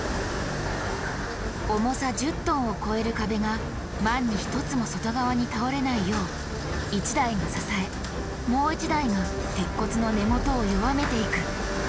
重さ１０トンを超える壁が万に一つも外側に倒れないよう１台が支えもう１台が鉄骨の根元を弱めていく。